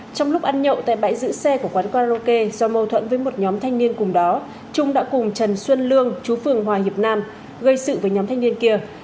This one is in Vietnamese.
trong lúc ăn nhậu tại bãi giữ xe của quán karaoke do mâu thuẫn với một nhóm thanh niên cùng đó trung đã cùng trần xuân lương chú phường hòa hiệp nam gây sự với nhóm thanh niên kia